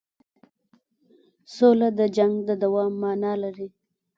سوله د جنګ د دوام معنی لري.